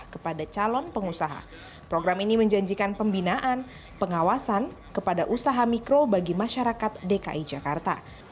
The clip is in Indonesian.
kepada calon pengusaha program ini menjanjikan pembinaan pengawasan kepada usaha mikro bagi masyarakat dki jakarta